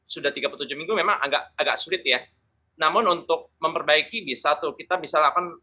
sudah tiga puluh tujuh minggu memang agak agak sulit ya namun untuk memperbaiki bisa tuh kita bisa lakukan